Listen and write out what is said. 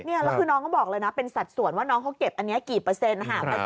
แล้วคือน้องก็บอกเลยนะเป็นสัดส่วนว่าน้องเขาเก็บอันนี้กี่เปอร์เซ็นต์